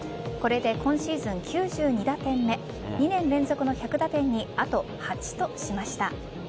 今シーズン９２打点目２年連続の１００打点にあと８としました。